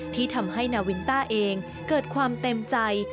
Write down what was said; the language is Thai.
ที่ทำให้นาวินต้าเองเกิดความเต็มใจ